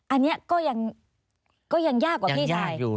อันนี้ก็ยังยากกว่าพี่ชายอยู่